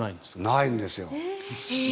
ないんですよ。